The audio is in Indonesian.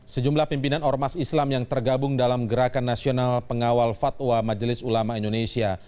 sejumlah pimpinan ormas islam yang tergabung dalam gerakan nasional pengawal fatwa majelis ulama indonesia